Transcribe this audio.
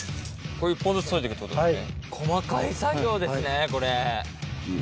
１本ずつ解いていくってことですね。